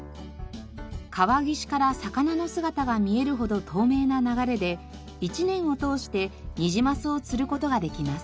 川岸から魚の姿が見えるほど透明な流れで１年を通してニジマスを釣る事ができます。